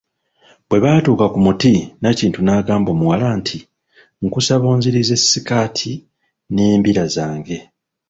Bwebaatuka ku muti, Nakintu n'agamba omuwala nti, nkusaba onzirize sikaati n'embira zange.